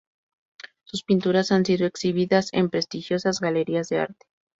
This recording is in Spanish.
Sus pinturas han sido exhibidas en prestigiosas galerías de arte.